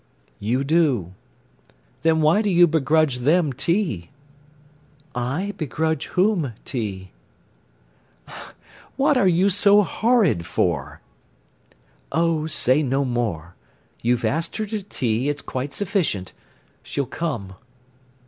"You do." "Then why do you begrudge them tea?" "I begrudge whom tea?" "What are you so horrid for?" "Oh, say no more! You've asked her to tea, it's quite sufficient. She'll come."